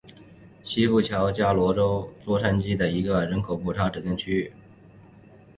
西谷桥是位于美国加利福尼亚州洛杉矶县的一个人口普查指定地区。